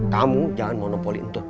kamu jangan monopoli untut